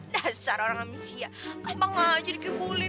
dasar orang amisia gampang aja dikibulin